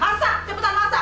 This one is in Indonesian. masak cepetan masak